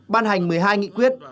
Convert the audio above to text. ban hành một mươi hai nghị quyết